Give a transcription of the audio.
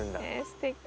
すてき。